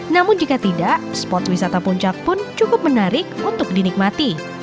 namun jika tidak spot wisata puncak pun cukup menarik untuk dinikmati